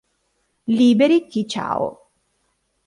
Liberi chi Ciao".